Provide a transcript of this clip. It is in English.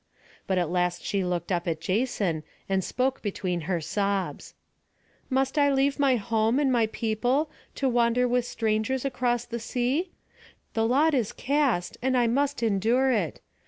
But at last she looked up at Jason, and spoke between her sobs: "Must I leave my home and my people, to wander with strangers across the sea? The lot is cast, and I must endure it.